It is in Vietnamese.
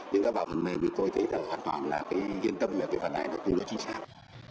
nhưng các báo phần mềm thì tôi thấy là hoàn toàn là cái yên tâm về cái phần này là cũng đã chính xác